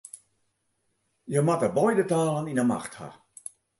Je moatte beide talen yn 'e macht ha.